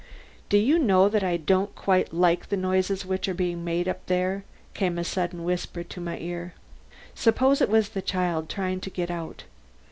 "Do you know that I don't quite like the noises which are being made up there?" came in a sudden whisper to my ear. "Supposing it was the child trying to get out!